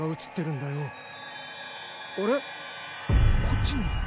こっちにも。